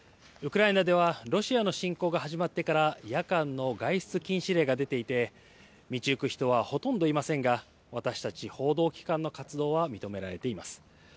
ウクライナでは、ロシアの侵攻が始まってから、夜間の外出禁止令が出ていて、道行く人はほとんどいませんが、私たち報道機関の活動は認められています。